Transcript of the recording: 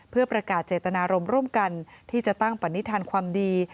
เพื่อประกาศเจตนารมณ์ร่วมกันที่จะตั้งปณิธานความดี